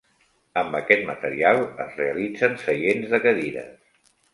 Amb aquest material es realitzen seients de cadires.